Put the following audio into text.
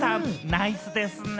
ナイスですね。